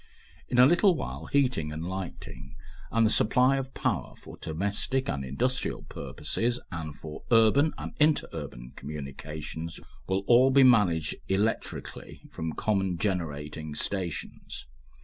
In a little while heating and lighting and the supply of power for domestic and industrial purposes and for urban and inter urban communications will all be managed electrically from common generating stations.